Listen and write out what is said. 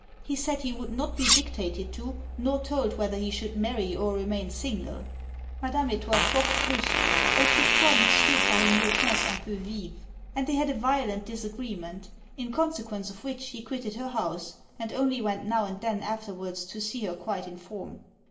He said he would not be dictated to, nor told whether he should marry or remain single. Madame etoit forte brusque elle piquoit Monsieur par un reponse un peu vive and they had a violent disagreement; in consequence of which he quitted her house, and only went now and then afterwards to see her quite in form.